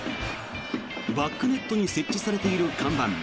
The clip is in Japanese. バックネットに設置されている看板。